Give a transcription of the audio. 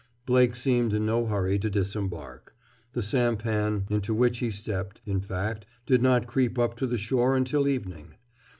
Blake seemed in no hurry to disembark. The sampan into which he stepped, in fact, did not creep up to the shore until evening.